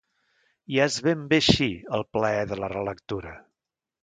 Ja és ben bé així, el plaer de la relectura.